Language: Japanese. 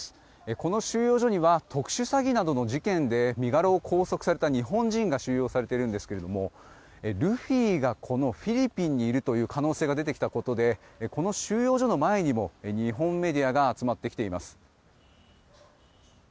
この収容所には特殊詐欺などの事件で身柄を拘束された日本人が収容されているんですけれどもルフィがこのフィリピンにいるという可能性が出てきたことでこの収容所の前にも日本メディアが集まってきています。